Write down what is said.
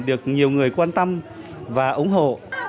được nhiều người quan tâm và ủng hộ